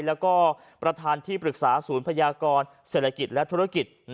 แล้วก็ประธานที่ปรึกษาศูนย์พยากรเศรษฐกิจและธุรกิจ